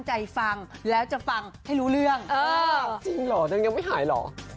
จริงหรอยังไม่หายหรอ